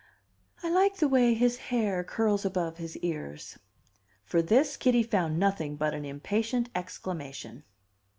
"I like the way his hair curls above his ears." For this Kitty found nothing but an impatient exclamation.